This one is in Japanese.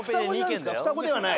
双子ではない。